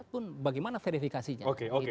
pun bagaimana verifikasinya